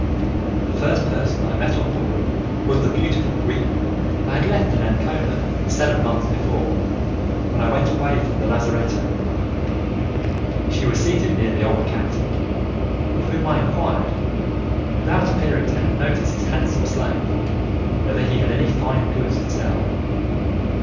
The first person I met on board was the beautiful Greek woman I had left in Ancona, seven months before, when I went away from the lazzaretto. She was seated near the old captain, of whom I enquired, without appearing to notice his handsome slave, whether he had any fine goods to sell.